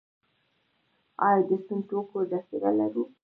آیا د سون توکو ذخیرې لرو؟